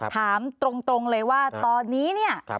ถามตรงเลยว่าตอนนี้เนี่ย